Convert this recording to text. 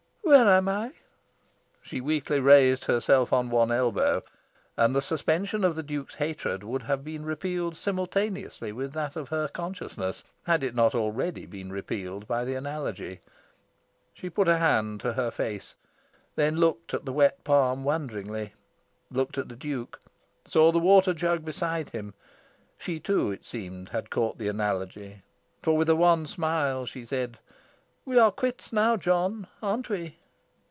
"Where am I?" She weakly raised herself on one elbow; and the suspension of the Duke's hatred would have been repealed simultaneously with that of her consciousness, had it not already been repealed by the analogy. She put a hand to her face, then looked at the wet palm wonderingly, looked at the Duke, saw the water jug beside him. She, too, it seemed, had caught the analogy; for with a wan smile she said "We are quits now, John, aren't we?"